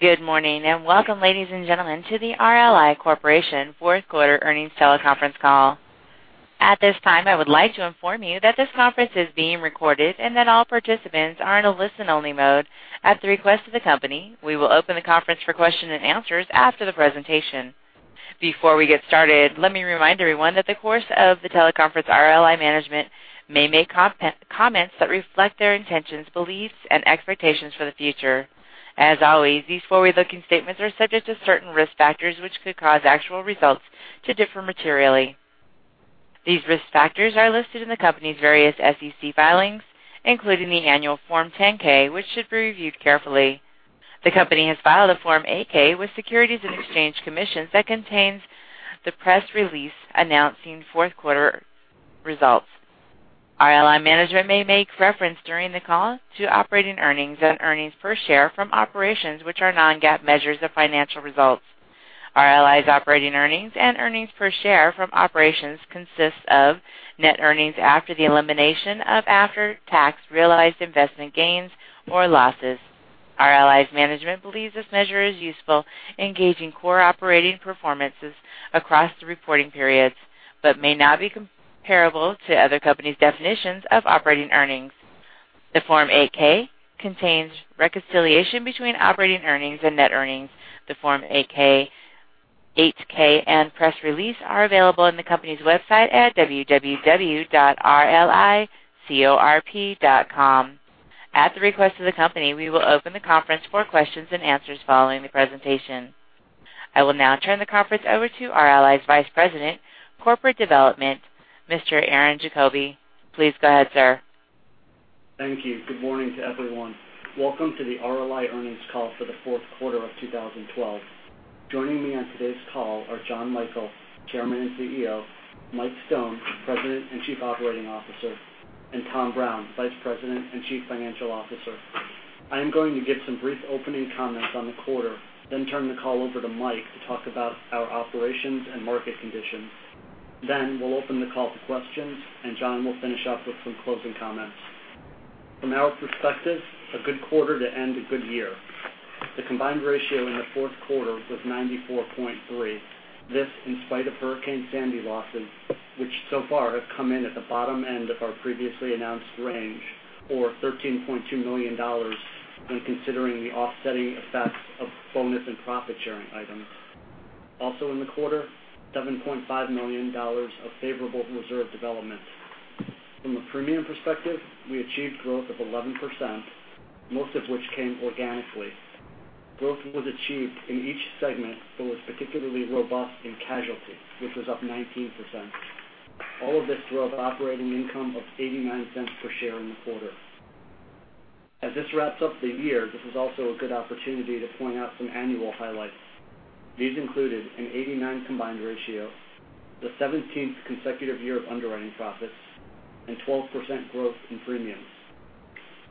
Good morning, and welcome, ladies and gentlemen, to the RLI Corp. fourth quarter earnings teleconference call. At this time, I would like to inform you that this conference is being recorded and that all participants are in a listen-only mode at the request of the company. We will open the conference for questions and answers after the presentation. Before we get started, let me remind everyone that in the course of the teleconference, RLI management may make comments that reflect their intentions, beliefs, and expectations for the future. As always, these forward-looking statements are subject to certain risk factors which could cause actual results to differ materially. These risk factors are listed in the company's various SEC filings, including the annual Form 10-K, which should be reviewed carefully. The company has filed a Form 8-K with Securities and Exchange Commission that contains the press release announcing fourth quarter results. RLI management may make reference during the call to operating earnings and earnings per share from operations, which are non-GAAP measures of financial results. RLI's operating earnings and earnings per share from operations consist of net earnings after the elimination of after-tax realized investment gains or losses. RLI's management believes this measure is useful in gauging core operating performances across the reporting periods but may not be comparable to other companies' definitions of operating earnings. The Form 8-K contains reconciliation between operating earnings and net earnings. The Form 8-K and press release are available on the company's website at www.rlicorp.com. At the request of the company, we will open the conference for questions and answers following the presentation. I will now turn the conference over to RLI's Vice President, Corporate Development, Mr. Aaron Diefenthaler. Please go ahead, sir. Thank you. Good morning to everyone. Welcome to the RLI earnings call for the fourth quarter of 2012. Joining me on today's call are John Michael, Chairman and CEO; Mike Stone, President and Chief Operating Officer; and Tom Brown, Vice President and Chief Financial Officer. I am going to give some brief opening comments on the quarter, turn the call over to Mike to talk about our operations and market conditions. We'll open the call to questions, and John will finish up with some closing comments. From our perspective, a good quarter to end a good year. The combined ratio in the fourth quarter was 94.3. This in spite of Hurricane Sandy losses, which so far have come in at the bottom end of our previously announced range, or $13.2 million when considering the offsetting effects of bonus and profit-sharing items. Also in the quarter, $7.5 million of favorable reserve development. From a premium perspective, we achieved growth of 11%, most of which came organically. Growth was achieved in each segment but was particularly robust in casualty, which was up 19%. All of this drove operating income of $0.89 per share in the quarter. As this wraps up the year, this is also a good opportunity to point out some annual highlights. These included an 89 combined ratio, the 17th consecutive year of underwriting profits, and 12% growth in premiums.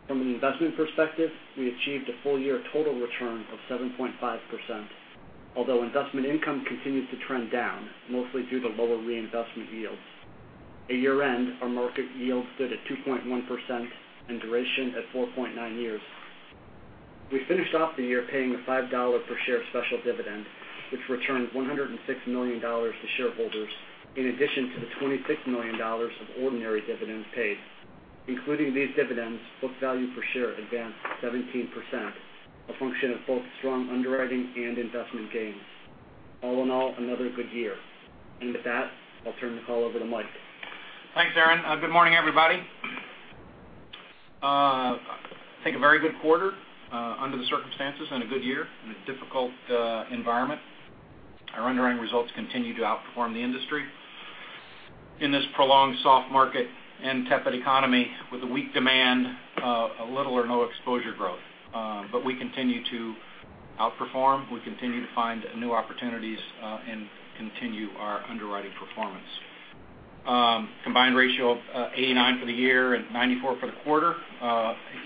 From an investment perspective, we achieved a full-year total return of 7.5%, although investment income continues to trend down, mostly due to lower reinvestment yields. At year-end, our market yield stood at 2.1% and duration at 4.9 years. We finished off the year paying the $5 per share special dividend, which returned $106 million to shareholders, in addition to the $26 million of ordinary dividends paid. Including these dividends, book value per share advanced 17%, a function of both strong underwriting and investment gains. All in all, another good year. With that, I'll turn the call over to Mike. Thanks, Aaron. Good morning, everybody. I think a very good quarter under the circumstances and a good year in a difficult environment. Our underwriting results continue to outperform the industry in this prolonged soft market and tepid economy with weak demand, little or no exposure growth. We continue to outperform. We continue to find new opportunities and continue our underwriting performance. combined ratio of 89 for the year and 94 for the quarter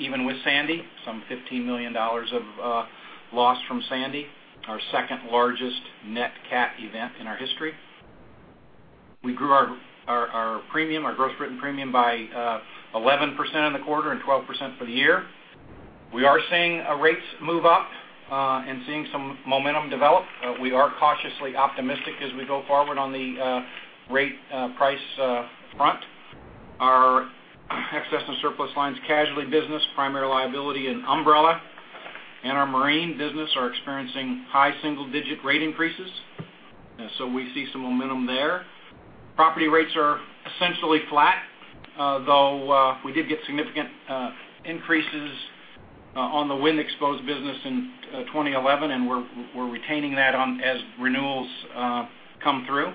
even with Sandy, some $15 million of loss from Sandy, our second-largest net cat event in our history. We grew our premium, our gross written premium, by 11% in the quarter and 12% for the year. We are seeing our rates move up and seeing some momentum develop. We are cautiously optimistic as we go forward on the rate price front. Our excess and surplus lines casualty business, primary liability, and umbrella and our marine business are experiencing high single-digit rate increases. We see some momentum there. Property rates are essentially flat, though we did get significant increases on the wind-exposed business in 2011, and we're retaining that as renewals come through.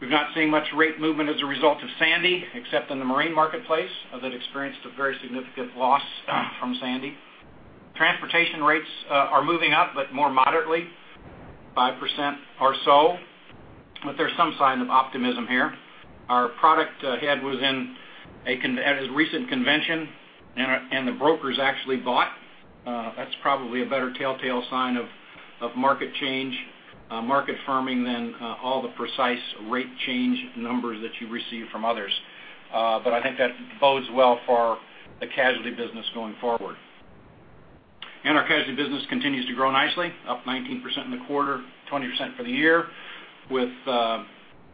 We've not seen much rate movement as a result of Sandy, except in the marine marketplace that experienced a very significant loss from Sandy. Transportation rates are moving up but more moderately, 5% or so. There's some sign of optimism here. Our product head was at his recent convention, the brokers actually bought. That's probably a better telltale sign of market change, market firming than all the precise rate change numbers that you receive from others. I think that bodes well for the casualty business going forward. Our casualty business continues to grow nicely, up 19% in the quarter, 20% for the year, with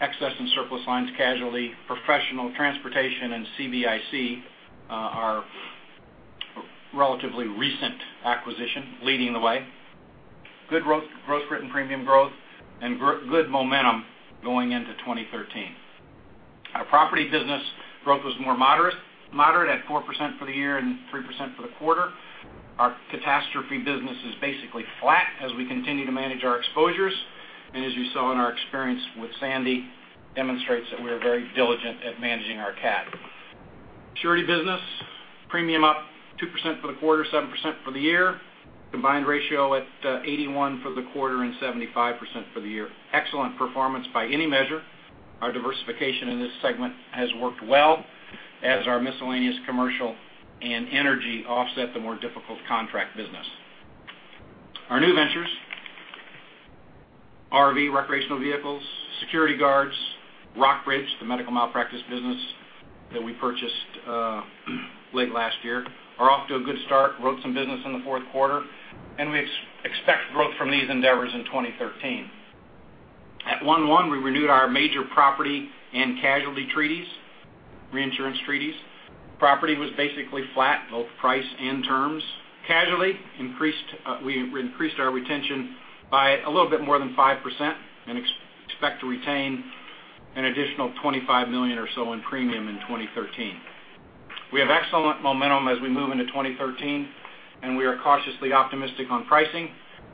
excess and surplus lines casualty, professional transportation, and CBIC, our relatively recent acquisition leading the way. Good growth written premium growth and good momentum going into 2013. Our property business growth was more moderate at 4% for the year and 3% for the quarter. Our catastrophe business is basically flat as we continue to manage our exposures. As you saw in our experience with Sandy, demonstrates that we are very diligent at managing our cat. Surety business premium up 2% for the quarter, 7% for the year. combined ratio at 81 for the quarter and 75% for the year. Excellent performance by any measure. Our diversification in this segment has worked well as our miscellaneous commercial and energy offset the more difficult contract business. Our new ventures, RV, recreational vehicles, security guards, Rockbridge, the medical malpractice business that we purchased late last year, are off to a good start, wrote some business in the fourth quarter. We expect growth from these endeavors in 2013. At 1/1, we renewed our major property and casualty treaties, reinsurance treaties. Property was basically flat, both price and terms. Casualty, we increased our retention by a little bit more than 5% and expect to retain an additional $25 million or so in premium in 2013. We have excellent momentum as we move into 2013. We are cautiously optimistic on pricing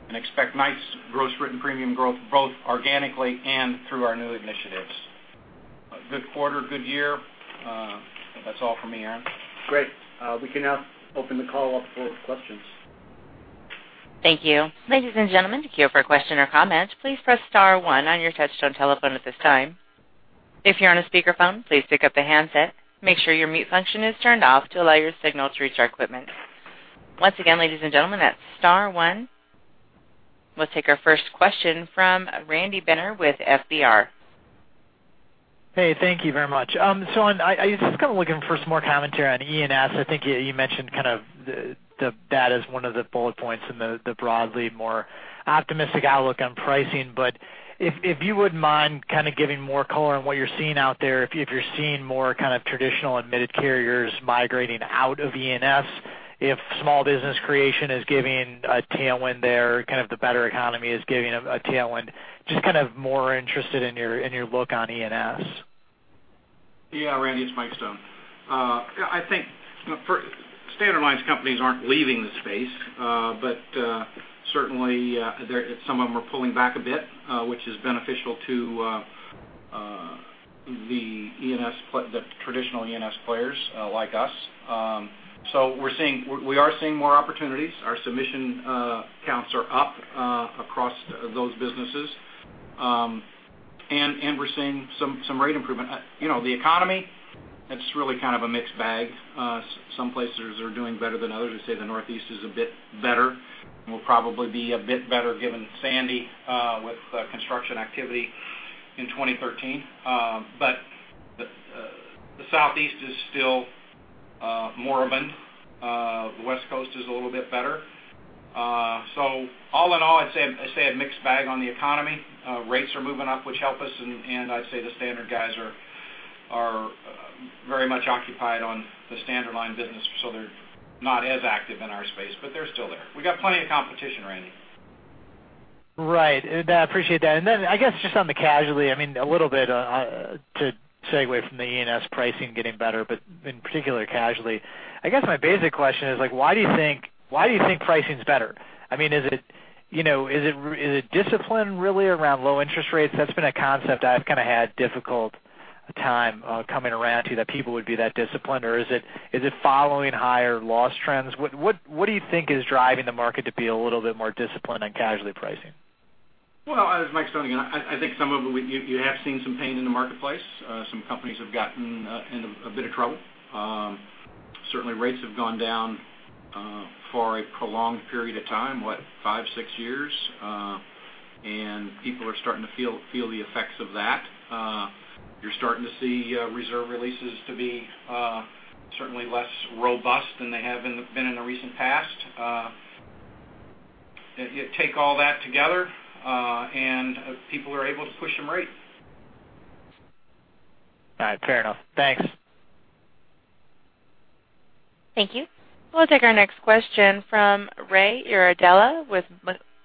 and expect nice gross written premium growth both organically and through our new initiatives. A good quarter, good year. That's all from me, Aaron. Great. We can now open the call up for questions. Thank you. Ladies and gentlemen, to queue up for a question or comment, please press *1 on your touchtone telephone at this time. If you're on a speakerphone, please pick up the handset. Make sure your mute function is turned off to allow your signal to reach our equipment. Once again, ladies and gentlemen, that's *1. We'll take our first question from Randy Binner with FBR. Hey, thank you very much. I'm just kind of looking for some more commentary on E&S. I think you mentioned kind of that as one of the bullet points in the broadly more optimistic outlook on pricing. If you wouldn't mind kind of giving more color on what you're seeing out there, if you're seeing more kind of traditional admitted carriers migrating out of E&S, if small business creation is giving a tailwind there, kind of the better economy is giving a tailwind. Just kind of more interested in your look on E&S. Randy, it's Mike Stone. I think Standard Lines companies aren't leaving the space. Certainly, some of them are pulling back a bit, which is beneficial to the traditional E&S players like us. We are seeing more opportunities. Our submission counts are up across those businesses. We're seeing some rate improvement. The economy, it's really kind of a mixed bag. Some places are doing better than others. I'd say the Northeast is a bit better, and will probably be a bit better given Hurricane Sandy with construction activity in 2013. The Southeast is still moribund. The West Coast is a little bit better. All in all, I'd say a mixed bag on the economy. Rates are moving up, which help us, I'd say the Standard guys are very much occupied on the Standard Line business, they're not as active in our space, but they're still there. We got plenty of competition, Randy. Right. I appreciate that. Then I guess just on the casualty, a little bit to segue from the E&S pricing getting better, in particular casualty. I guess my basic question is why do you think pricing's better? Is it discipline really around low interest rates? That's been a concept I've kind of had difficult time coming around to, that people would be that disciplined. Is it following higher loss trends? What do you think is driving the market to be a little bit more disciplined on casualty pricing? Well, as Mike Stone again, I think some of you have seen some pain in the marketplace. Some companies have gotten in a bit of trouble. Certainly rates have gone down for a prolonged period of time, what, five, six years? People are starting to feel the effects of that. You're starting to see reserve releases to be certainly less robust than they have been in the recent past. You take all that together, people are able to push some rates. All right, fair enough. Thanks. Thank you. We'll take our next question from Ray Iardella with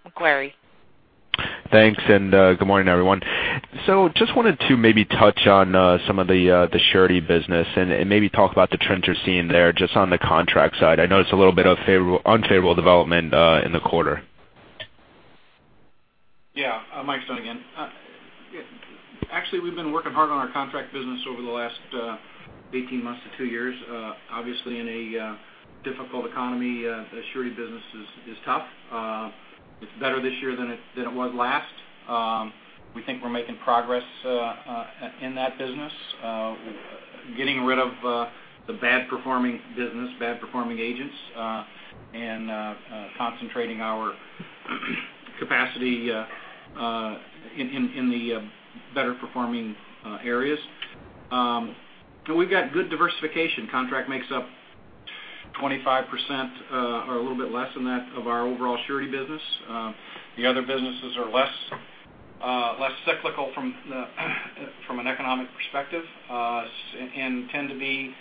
Macquarie. Thanks, and good morning, everyone. Just wanted to maybe touch on some of the surety business and maybe talk about the trends you're seeing there just on the contract side. I know it's a little bit of unfavorable development in the quarter. Yeah. Mike Stone again. Actually, we've been working hard on our contract business over the last 18 months to two years. Obviously in a difficult economy, the surety business is tough. It's better this year than it was last. We think we're making progress in that business, getting rid of the bad performing business, bad performing agents, and concentrating our capacity In the better performing areas. We've got good diversification. Contract makes up 25%, or a little bit less than that, of our overall surety business. The other businesses are less cyclical from an economic perspective, and tend to be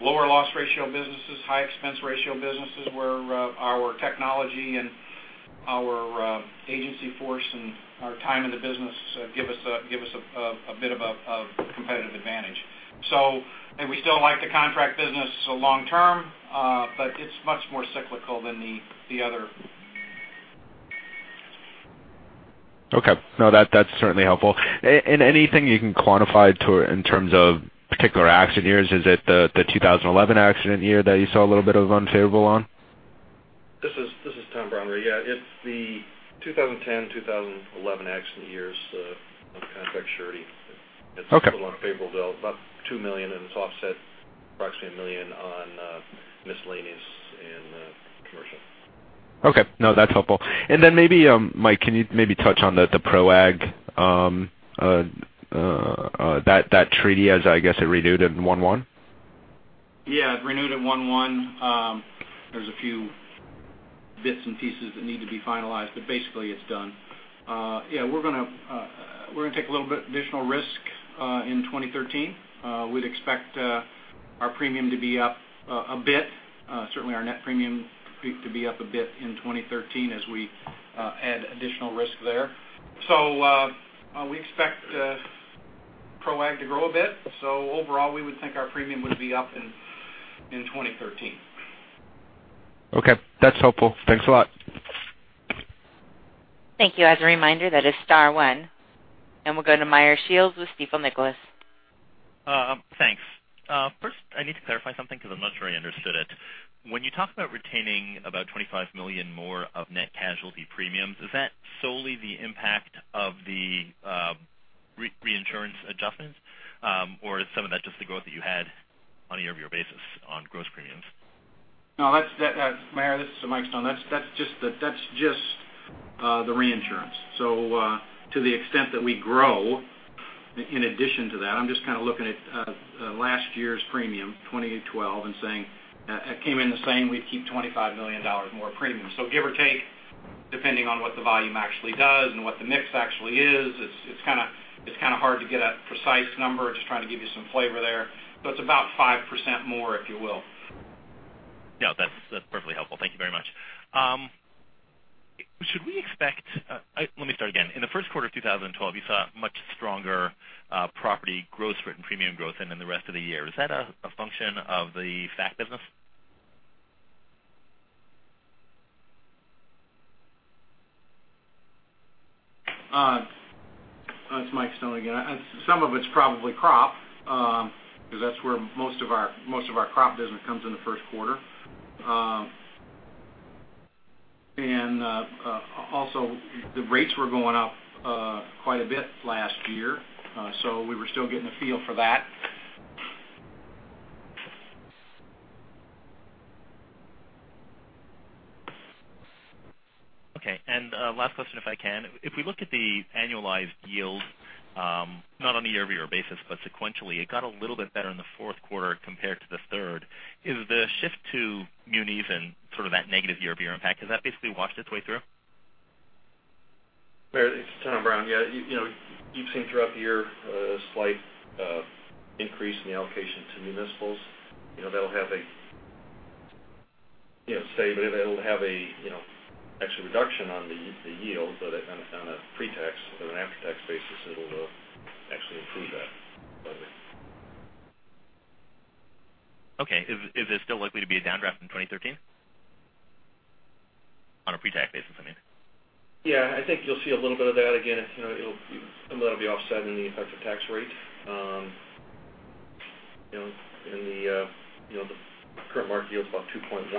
lower loss ratio businesses, high expense ratio businesses, where our technology and our agency force and our time in the business give us a bit of a competitive advantage. We still like the contract business long term, but it's much more cyclical than the other. Okay. No, that's certainly helpful. Anything you can quantify in terms of particular accident years? Is it the 2011 accident year that you saw a little bit of unfavorable on? This is Tom Brown. It's the 2010, 2011 accident years of contract surety. Okay. It's a little unfavorable, about $2 million. It's offset approximately $1 million on miscellaneous and commercial. Okay. No, that's helpful. Maybe, Mike, can you maybe touch on the ProAg, that treaty as I guess it renewed in one-one? Yeah. It renewed in one-one. There's a few bits and pieces that need to be finalized, but basically, it's done. We're going to take a little bit additional risk in 2013. We'd expect our premium to be up a bit. Certainly, our net premium peak to be up a bit in 2013 as we add additional risk there. We expect ProAg to grow a bit. Overall, we would think our premium would be up in 2013. Okay. That's helpful. Thanks a lot. Thank you. As a reminder, that is star one. We'll go to Meyer Shields with Stifel Nicolaus. Thanks. First, I need to clarify something because I'm not sure I understood it. When you talk about retaining about $25 million more of net casualty premiums, is that solely the impact of the reinsurance adjustments? Or is some of that just the growth that you had on a year-over-year basis on gross premiums? Meyer, this is Mike Stone. That is just the reinsurance. To the extent that we grow, in addition to that, I am just kind of looking at last year's premium, 2012, and saying it came in the same, we would keep $25 million more premium. Give or take, depending on what the volume actually does and what the mix actually is, it is kind of hard to get a precise number. Just trying to give you some flavor there. It is about 5% more, if you will. Yeah, that is perfectly helpful. Thank you very much. Let me start again. In the first quarter of 2012, you saw much stronger property gross written premium growth than in the rest of the year. Is that a function of the fact of this? It is Mike Stone again. Some of it is probably crop, because that is where most of our crop business comes in the first quarter. Also, the rates were going up quite a bit last year, we were still getting a feel for that. Okay. Last question, if I can. If we look at the annualized yields, not on a year-over-year basis, but sequentially, it got a little bit better in the fourth quarter compared to the third. Is the shift to munis and sort of that negative year-over-year impact, has that basically washed its way through? Meyer, it's Tom Brown. You've seen throughout the year a slight increase in the allocation to municipals. That'll have an actual reduction on the yield, but on a pre-tax or an after-tax basis, it'll actually improve that slightly. Is it still likely to be a downdraft in 2013? On a pre-tax basis, I mean. I think you'll see a little bit of that again. Some of that'll be offset in the effective tax rate. The current market yield is about 2.1.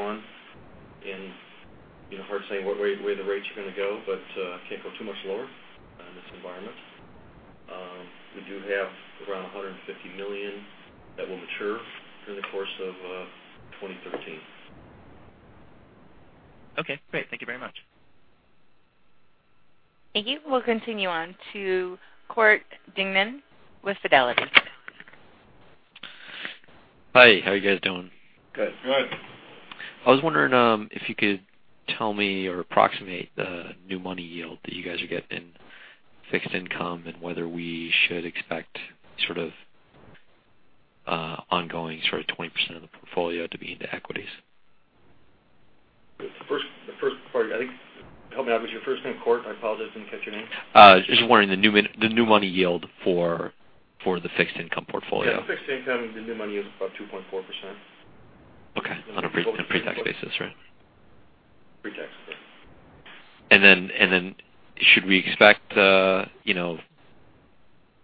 Hard saying where the rates are going to go, but can't go too much lower in this environment. We do have around $150 million that will mature through the course of 2013. Great. Thank you very much. Thank you. We'll continue on to Cort Dingman with Fidelity. Hi, how are you guys doing? Good. Good. I was wondering if you could tell me or approximate the new money yield that you guys are getting in fixed income and whether we should expect sort of ongoing sort of 20% of the portfolio to be into equities. The first part, I think, help me out. Was your first name Cort? I apologize, I didn't catch your name. Just wondering the new money yield for the fixed income portfolio? Yeah, the fixed income, the new money is about 2.4%. Okay. On a pre-tax basis, right? Pre-tax, yeah. Should we expect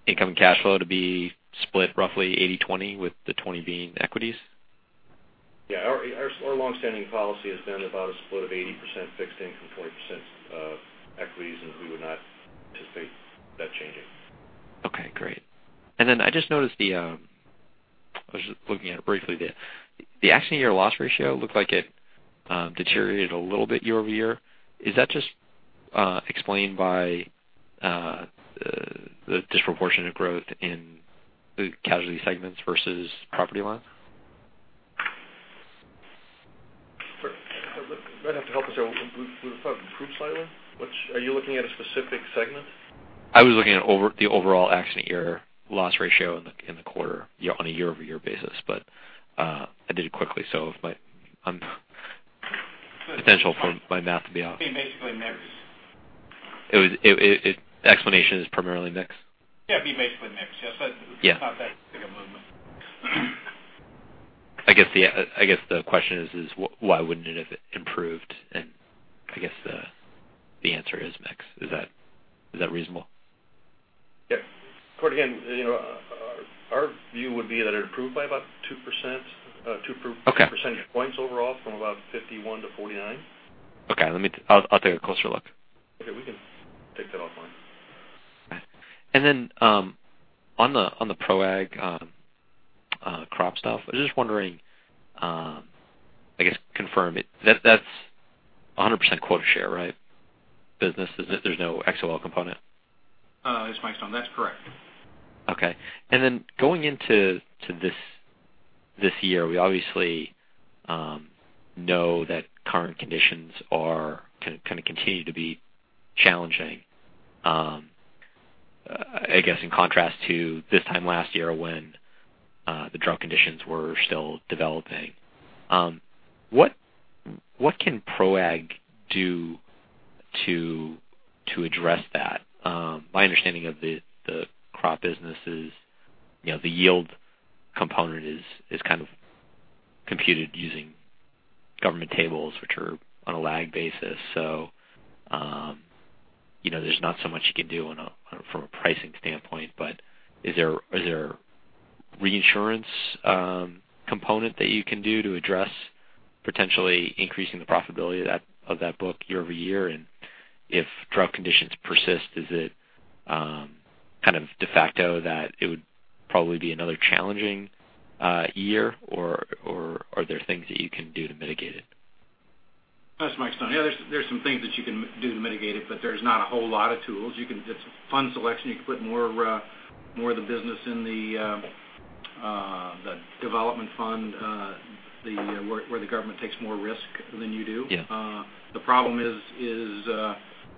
incoming cash flow to be split roughly 80/20, with the 20 being equities? Our longstanding policy has been about a split of 80% fixed income, 20% equities, and we would not anticipate that changing. Okay, great. I just noticed I was just looking at it briefly. The accident year loss ratio looked like it deteriorated a little bit year-over-year. Is that just explained by the disproportionate growth in the casualty segments versus property line? Sure. You might have to help us out. We thought it improved slightly. Are you looking at a specific segment? I was looking at the overall accident year loss ratio in the quarter on a year-over-year basis. I did it quickly, so there's potential for my math to be off. It'd be basically mixed. The explanation is primarily mixed? Yeah, it'd be basically mixed. Yes. Yeah. It's not that big a movement. I guess the question is why wouldn't it have improved? I guess the answer is mixed. Is that reasonable? Yeah. Cort, again, our view would be that it improved by about two percentage- Okay points overall from about 51 to 49. Okay. I'll take a closer look. Okay. We can take that offline. Okay. On the ProAg crop stuff, I was just wondering, I guess confirm, that's 100% quota share, right? Business, there's no XOL component? This is Mike Stone. That's correct. Okay. Going into this year, we obviously know that current conditions are going to continue to be challenging. I guess in contrast to this time last year when the drought conditions were still developing. What can ProAg do to address that? My understanding of the crop business is the yield component is kind of computed using government tables, which are on a lag basis. There's not so much you can do from a pricing standpoint. Is there a reinsurance component that you can do to address potentially increasing the profitability of that book year-over-year? If drought conditions persist, is it kind of de facto that it would probably be another challenging year? Are there things that you can do to mitigate it? This is Mike Stone. There's some things that you can do to mitigate it, but there's not a whole lot of tools. It's fund selection. You can put more of the business in the development fund, where the government takes more risk than you do. Yeah. The problem is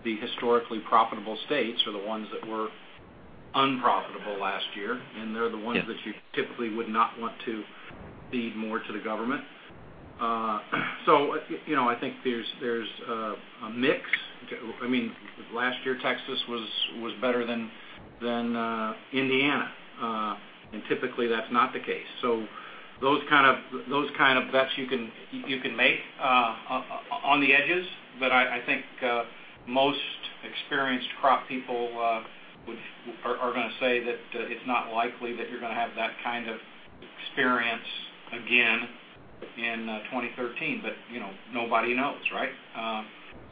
the historically profitable states are the ones that were unprofitable last year, and they're the ones- Yeah that you typically would not want to feed more to the government. I think there's a mix. Last year, Texas was better than Indiana, and typically that's not the case. Those kind of bets you can make on the edges. I think most experienced crop people are going to say that it's not likely that you're going to have that kind of experience again in 2013. Nobody knows, right?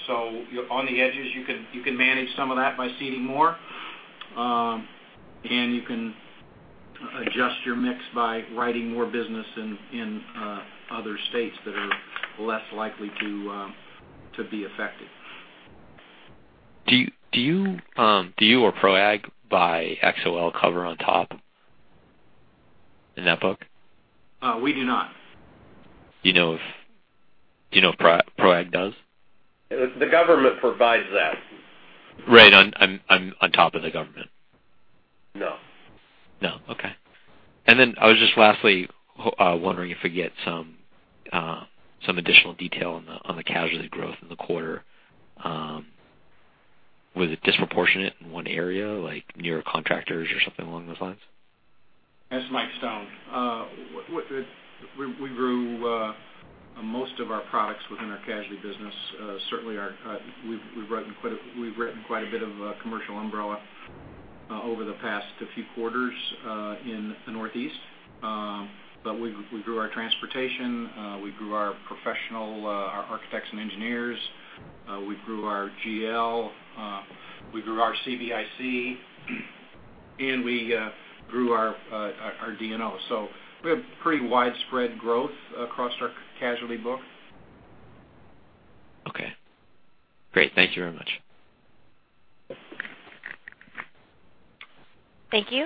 On the edges, you can manage some of that by seeding more. You can adjust your mix by writing more business in other states that are less likely to be affected. Do you or ProAg buy XOL cover on top in that book? We do not. Do you know if ProAg does? The government provides that. Right, on top of the government. No. No. Okay. I was just lastly wondering if we get some additional detail on the casualty growth in the quarter. Was it disproportionate in one area, like near contractors or something along those lines? This is Mike Stone. We grew most of our products within our casualty business. Certainly we've written quite a bit of commercial umbrella over the past few quarters, in the Northeast. We grew our transportation, we grew our professional architects and engineers, we grew our GL, we grew our CBIC, and we grew our D&O. We have pretty widespread growth across our casualty book. Okay. Great. Thank you very much. Thank you.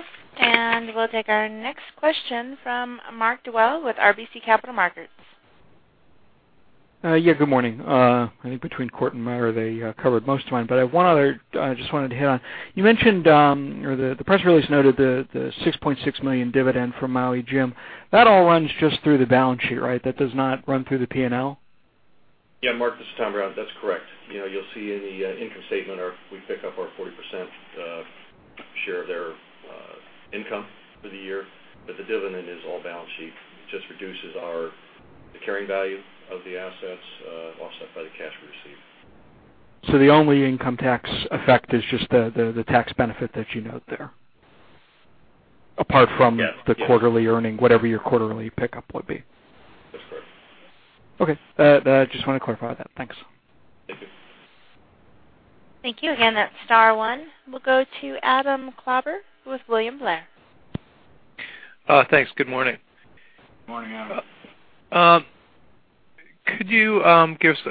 We'll take our next question from Mark Dwelle with RBC Capital Markets. Yeah, good morning. I think between Cort and Meyer Shields, they covered most of mine. One other I just wanted to hit on. You mentioned, or the press release noted the $6.6 million dividend from Maui Jim. That all runs just through the balance sheet, right? That does not run through the P&L? Yeah, Mark, this is Tom Brown. That's correct. You'll see in the income statement we pick up our 40% share of their income for the year, but the dividend is all balance sheet. It just reduces the carrying value of the assets offset by the cash we received. The only income tax effect is just the tax benefit that you note there. Yes the quarterly earnings, whatever your quarterly pickup would be. That's correct. Okay. Just want to clarify that. Thanks. Thank you. Again, that's star one. We'll go to Adam Klauber with William Blair. Thanks. Good morning. Morning, Adam. Could you give us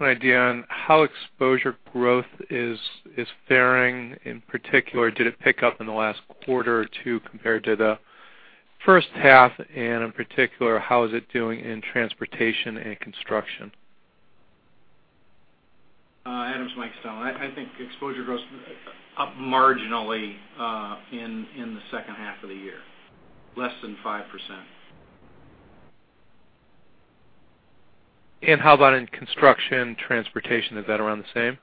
an idea on how exposure growth is faring? In particular, did it pick up in the last quarter or two compared to the first half, and in particular, how is it doing in transportation and construction? Adam, it's Mike Stone. I think exposure grows up marginally in the second half of the year, less than 5%. How about in construction, transportation? Is that around the same?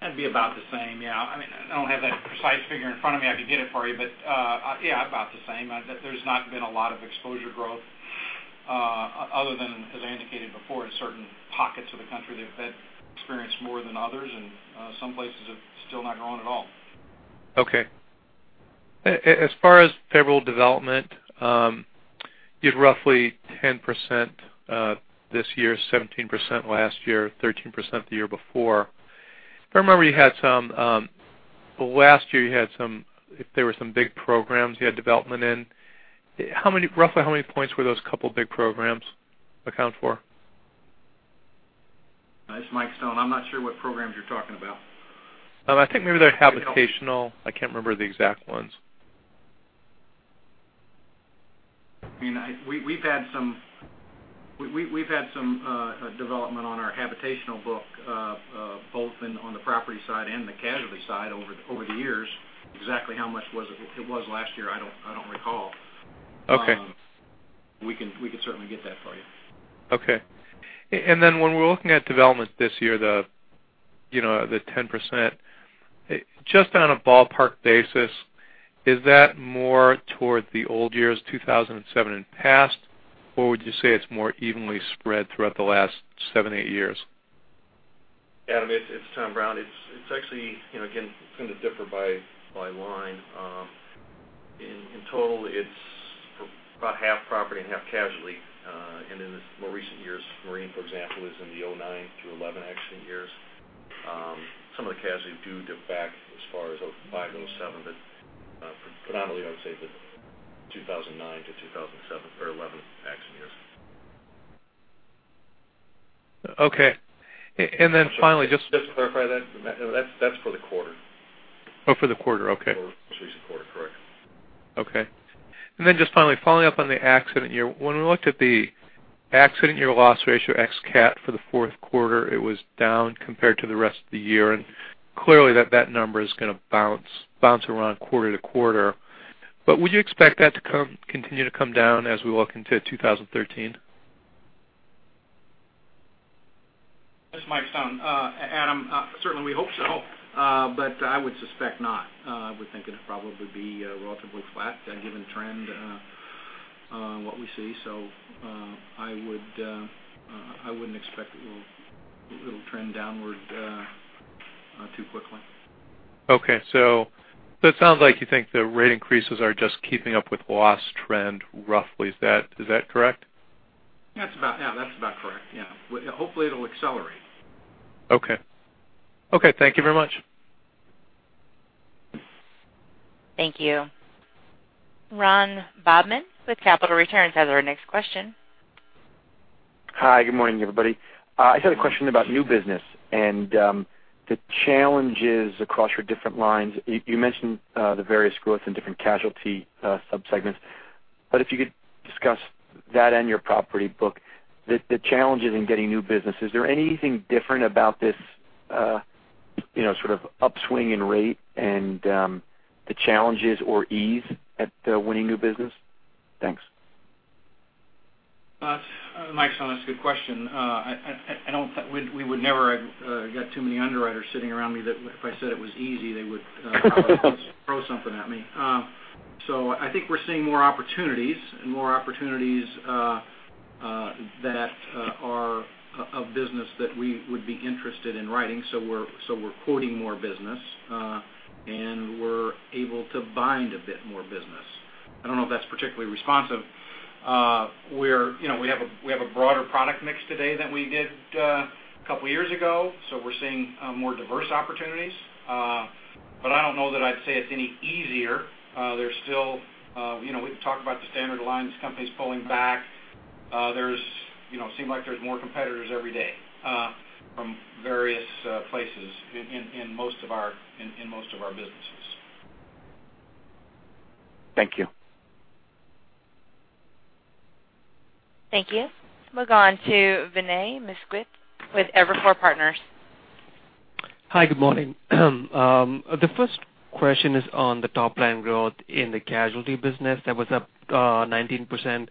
That'd be about the same, yeah. I don't have that precise figure in front of me. I could get it for you. Yeah, about the same. There's not been a lot of exposure growth other than, as I indicated before, in certain pockets of the country that have experienced more than others and some places have still not grown at all. Okay. As far as favorable development, you had roughly 10% this year, 17% last year, 13% the year before. If I remember, last year, there were some big programs you had development in. Roughly how many points were those couple big programs account for? This is Mike Stone. I'm not sure what programs you're talking about. I think maybe they're habitational. I can't remember the exact ones. We've had some development on our habitational book both on the property side and the casualty side over the years. Exactly how much it was last year, I don't recall. Okay. We can certainly get that for you. Okay. Then when we're looking at development this year, the 10%, just on a ballpark basis, is that more toward the old years, 2007 and past? Or would you say it's more evenly spread throughout the last seven, eight years? Adam, it's Tom Brown. It's actually going to differ by line. In total, it's about half property and half casualty. In the more recent years, marine, for example, is in the 2009 through 2011 accident years. Some of the casualty do dip back as far as 2005, 2007, predominantly, I would say the 2009 to 2011 accident years. Okay. Finally just- Just to clarify that's for the quarter. Oh, for the quarter. Okay. The most recent quarter. Correct. Okay. Then just finally following up on the accident year. When we looked at the accident year loss ratio ex-cat for the fourth quarter, it was down compared to the rest of the year, and clearly that number is going to bounce around quarter-to-quarter. Would you expect that to continue to come down as we walk into 2013? This is Mike Stone. Adam, certainly we hope so. I would suspect not. I would think it'd probably be relatively flat given trend, what we see. I wouldn't expect it'll trend downward too quickly. Okay. It sounds like you think the rate increases are just keeping up with loss trend roughly. Is that correct? Yeah, that's about correct. Yeah. Hopefully, it'll accelerate. Okay. Thank you very much. Thank you. Ron Bobman with Capital Returns has our next question. Hi. Good morning, everybody. Good morning. I just had a question about new business and the challenges across your different lines. You mentioned the various growth in different casualty subsegments, if you could discuss that and your property book, the challenges in getting new business. Is there anything different about this sort of upswing in rate and the challenges or ease at winning new business? Thanks. Mike Stone. That's a good question. We would never have got too many underwriters sitting around me that if I said it was easy, they would probably throw something at me. I think we're seeing more opportunities and more opportunities that are of business that we would be interested in writing. We're quoting more business, and we're able to bind a bit more business. I don't know if that's particularly responsive. We have a broader product mix today than we did a couple of years ago, we're seeing more diverse opportunities. I don't know that I'd say it's any easier. We can talk about the Standard Lines, companies pulling back. It seem like there's more competitors every day from various places in most of our businesses. Thank you. Thank you. Let's move on to Vinay Misquith with Evercore Partners. Hi. Good morning. The first question is on the top-line growth in the casualty business that was up 19%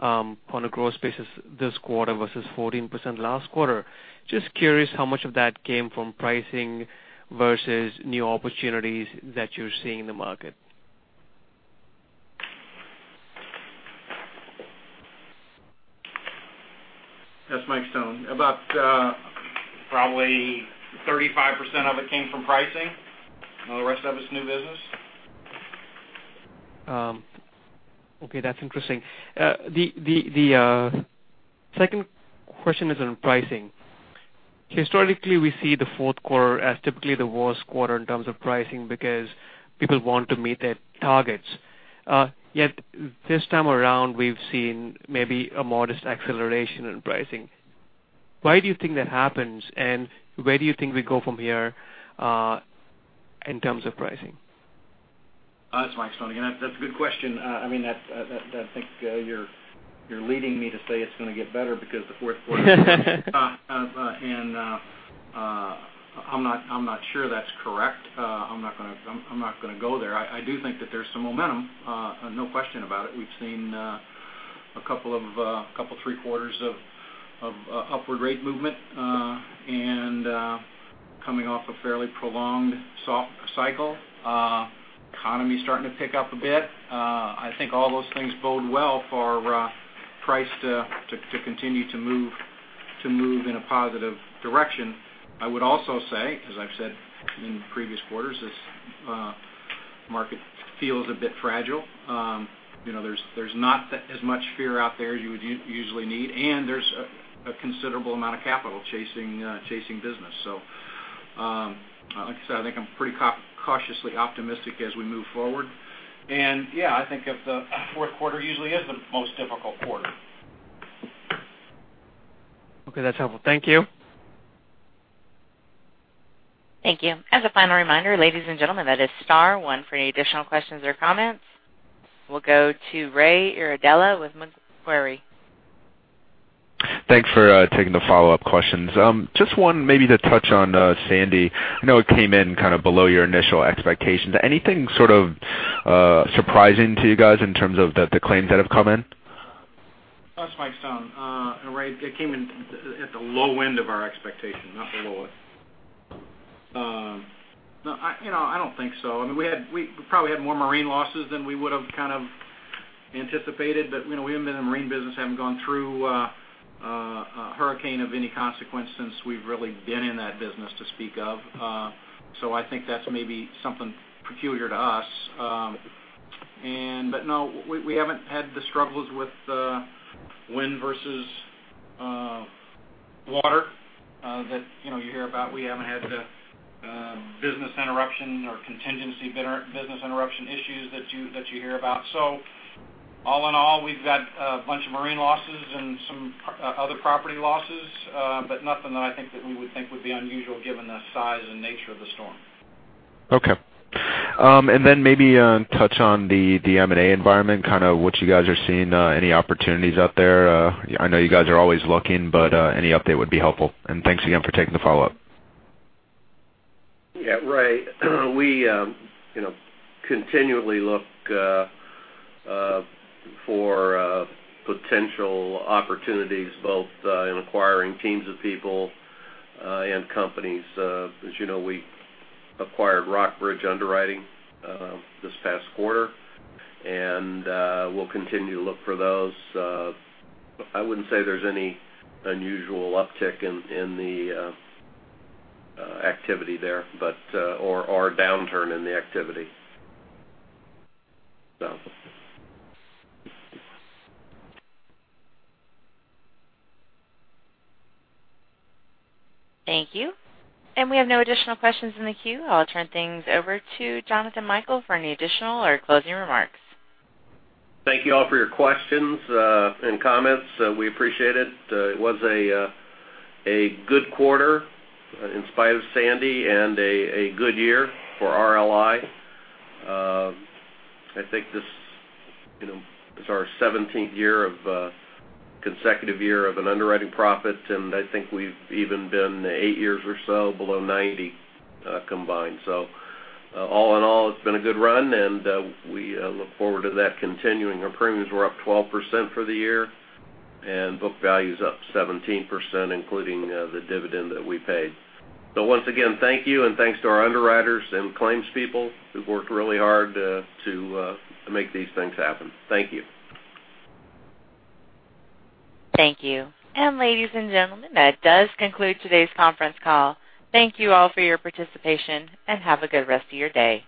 on a gross basis this quarter versus 14% last quarter. Just curious how much of that came from pricing versus new opportunities that you're seeing in the market. That's Mike Stone. About probably 35% of it came from pricing, all the rest of it's new business. Okay, that's interesting. The second question is on pricing. Historically, we see the fourth quarter as typically the worst quarter in terms of pricing because people want to meet their targets. This time around, we've seen maybe a modest acceleration in pricing. Why do you think that happens, and where do you think we go from here, in terms of pricing? It's Mike Stone again. That's a good question. I think you're leading me to say it's going to get better because the fourth quarter. I'm not sure that's correct. I'm not going to go there. I do think that there's some momentum, no question about it. We've seen a couple, three quarters of upward rate movement. Coming off a fairly prolonged soft cycle, economy's starting to pick up a bit. I think all those things bode well for price to continue to move in a positive direction. I would also say, as I've said in previous quarters, this market feels a bit fragile. There's not as much fear out there as you would usually need, and there's a considerable amount of capital chasing business. Like I said, I think I'm pretty cautiously optimistic as we move forward. Yeah, I think the fourth quarter usually is the most difficult quarter. Okay. That's helpful. Thank you. Thank you. As a final reminder, ladies and gentlemen, that is star one for any additional questions or comments. We'll go to Raymond Iardella with Macquarie. Thanks for taking the follow-up questions. Just one maybe to touch on Sandy. I know it came in kind of below your initial expectations. Anything sort of surprising to you guys in terms of the claims that have come in? It's Mike Stone. Ray, it came in at the low end of our expectation, not the lowest. I don't think so. We probably had more marine losses than we would've kind of anticipated. We haven't been in the marine business, haven't gone through a hurricane of any consequence since we've really been in that business to speak of. I think that's maybe something peculiar to us. No, we haven't had the struggles with wind versus water that you hear about. We haven't had the business interruption or contingency business interruption issues that you hear about. All in all, we've got a bunch of marine losses and some other property losses, but nothing that I think that we would think would be unusual given the size and nature of the storm. Okay. Maybe touch on the M&A environment, kind of what you guys are seeing, any opportunities out there? I know you guys are always looking, any update would be helpful. Thanks again for taking the follow-up. Yeah, Ray, we continually look for potential opportunities both in acquiring teams of people and companies. As you know, we acquired Rockbridge Underwriting this past quarter, we'll continue to look for those. I wouldn't say there's any unusual uptick in the activity there, or downturn in the activity. Thank you. We have no additional questions in the queue. I'll turn things over to Jonathan Michael for any additional or closing remarks. Thank you all for your questions and comments. We appreciate it. It was a good quarter in spite of Sandy and a good year for RLI. I think this is our 17th consecutive year of an underwriting profit, and I think we've even been eight years or so below 90 combined. All in all, it's been a good run, and we look forward to that continuing. Our premiums were up 12% for the year, and book value's up 17%, including the dividend that we paid. Once again, thank you, and thanks to our underwriters and claims people who've worked really hard to make these things happen. Thank you. Thank you. Ladies and gentlemen, that does conclude today's conference call. Thank you all for your participation, and have a good rest of your day.